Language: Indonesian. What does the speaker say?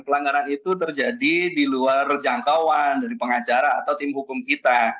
pelanggaran itu terjadi di luar jangkauan dari pengacara atau tim hukum kita